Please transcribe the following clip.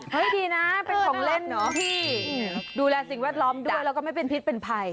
ดีนะเป็นของเล่นเหรอพี่ดูแลสิ่งแวดล้อมด้วยแล้วก็ไม่เป็นพิษเป็นภัย